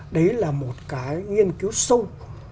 đấy là một cái nghiên cứu sâu